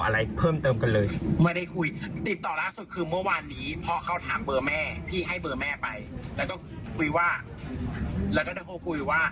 แล้วก็ได้เขาคุยว่า